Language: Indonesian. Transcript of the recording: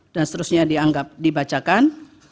dan seterusnya dianggap dibacakan